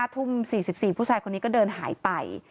ทุ่ม๔๔ผู้ชายคนนี้ก็เดินหายไป